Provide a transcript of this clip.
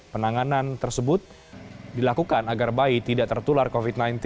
penanganan tersebut dilakukan agar bayi tidak tertular covid sembilan belas